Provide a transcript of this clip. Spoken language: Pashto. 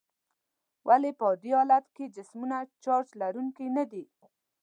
ولې په عادي حالت کې جسمونه چارج لرونکي ندي؟